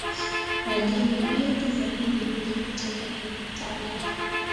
Wageni wengi zaidi huja hutoka Italia